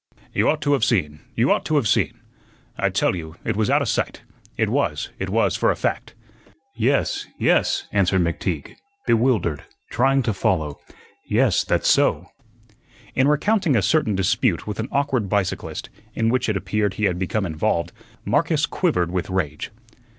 "You ought t'have seen, y'ought t'have seen. I tell you, it was outa sight. It was; it was, for a fact." "Yes, yes," answered McTeague, bewildered, trying to follow. "Yes, that's so." In recounting a certain dispute with an awkward bicyclist, in which it appeared he had become involved, Marcus quivered with rage.